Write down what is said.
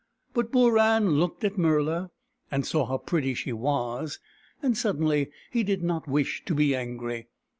But Booran looked at Murla, and saw how pretty she was, and sud denly he did not wish to be angry.